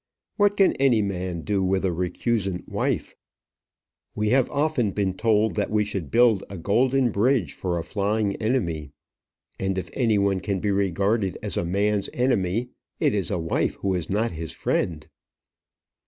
What can any man do with a recusant wife? We have often been told that we should build a golden bridge for a flying enemy. And if any one can be regarded as a man's enemy, it is a wife who is not his friend.